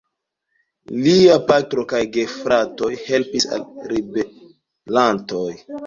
Lia patro kaj gefratoj helpis al ribelantoj.